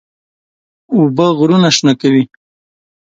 اوبه غرونه شنه کوي.